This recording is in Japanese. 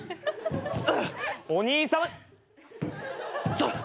ちょっと！